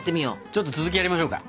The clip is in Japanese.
ちょっと続きやりましょうか。